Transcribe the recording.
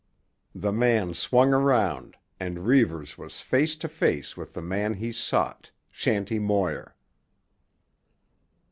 The man swung around, and Reivers was face to face with the man he sought, Shanty Moir.